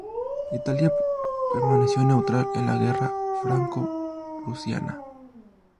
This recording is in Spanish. Italia permaneció neutral en la guerra franco-prusiana.